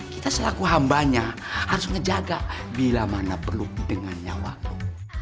kita selaku hambanya harus ngejaga bila mana perlu dengan nyawamu